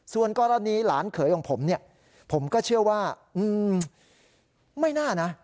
ส่วนกรณีหลานเขยของผมเนี่ยผมก็เชื่อว่าไม่น่านะ